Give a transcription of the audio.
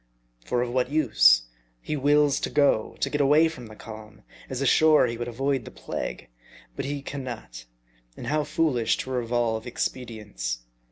For of what use ? He wills to go : to get away from the calm : as ashore he would avoid the plague. But he can not ; and how foolish to revolve expedients.